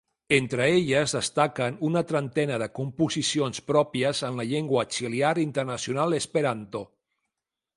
Entre elles destaquen una trentena de composicions pròpies en la llengua auxiliar internacional esperanto.